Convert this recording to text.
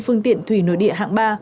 phương tiện thủy nội địa hạng ba